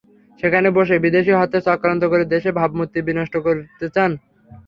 সেখানে বসে বিদেশি হত্যার চক্রান্ত করে দেশের ভাবমূর্তি বিনষ্ট করতে চান।